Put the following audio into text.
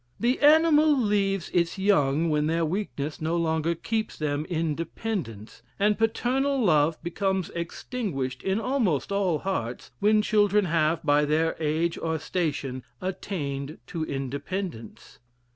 The animal leaves its young when their weakness no longer keeps them in dependence; and paternal love becomes extinguished in almost all hearts, when children have, by their age or station, attained to independence.